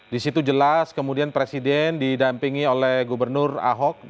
di situ jelas kemudian presiden didampingi oleh gubernur ahok